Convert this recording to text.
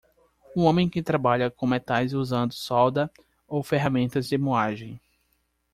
Um homem que trabalha com metais usando solda ou ferramentas de moagem.